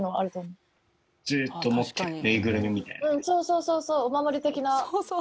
そうそうそうそうお守り的な。